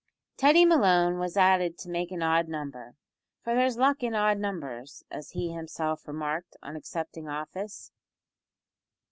Teddy Malone was added to make an odd number, "for there's luck in odd numbers," as he himself remarked on accepting office.